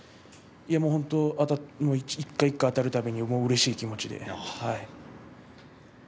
本当に一回一回あたるたびにうれしい気持ちで。